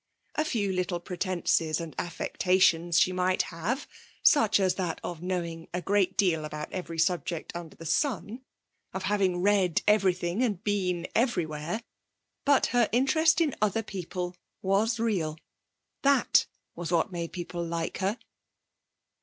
A few little pretences and affectations she might have, such as that of knowing a great deal about every subject under the sun of having read everything, and been everywhere, but her interest in other people was real. That was what made people like her.